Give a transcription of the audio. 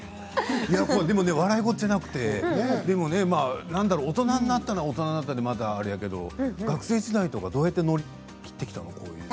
笑い事じゃなくて大人になったら大人になったであれだけど、学生時代とかどうやって乗り切ってきたの？